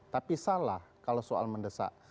tapi salah kalau soal mendesak